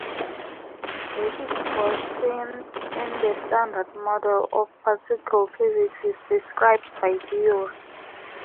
The Higgs boson in the Standard Model of particle physics is described by theory.